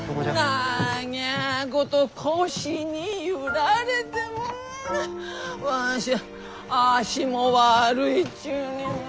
なぎゃこと輿に揺られてわしゃ足も悪いっちゅに。